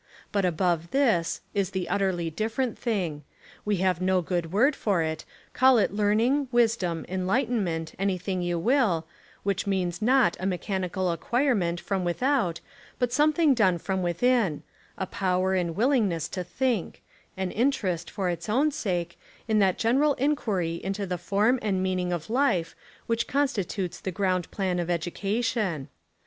But above this" is the utterly different thing, — we have no good word for it, call it learning, wisdom, enlighten ment, anything you will — which means not a i8 The Apology of a Professor mechanical acquirement from without but some thing done from within: a power and willing ness to think: an Interest, for its own sake, in that general enquiry into the form and mean ing of life which constitutes the ground plan of education.